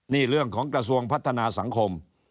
นี่เรื่องของกระทรวงพัฒนาสังคม